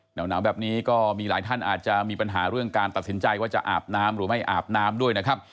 หนาวแบบนี้ก็มีหลายท่านอาจจะมีปัญหาเรื่องการตัดสินใจว่าจะอาบน้ำหรือไม่อาบน้ำด้วยนะครับ